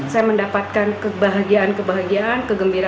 saya mendapatkan kebahagiaan kebahagiaan